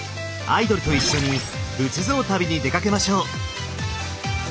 アイドルと一緒に仏像旅に出かけましょう。